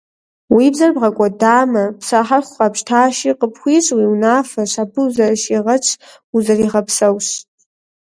Уи бзэр бгъэкӀуэдамэ, псэ хьэху къэпщтащи, къыпхуищӀ уи унафэщ, абы узэрыщигъэтщ, узэригъэпсэущ.